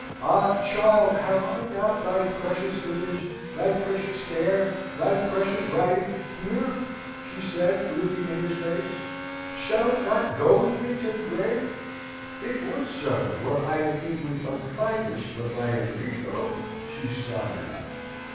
"Ah, child! have I not thy precious image, thy precious hair, thy precious writing here?" she said, looking in his face. "Shall it not go with me to the grave? It would, sir, were I to meet with unkindness from my Henrico!" she sighed out.